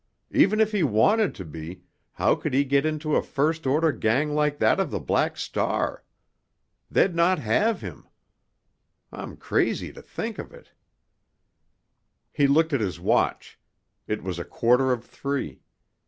Even if he wanted to be, how could he get into a first order gang like that of the Black Star? They'd not have him! I'm crazy to think of it!" He looked at his watch; it was a quarter of three.